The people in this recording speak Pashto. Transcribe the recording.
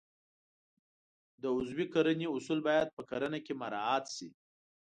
د عضوي کرنې اصول باید په کرنه کې مراعات شي.